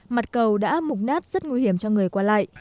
mặt cầu đã mục nát rất nguy hiểm cho người qua lại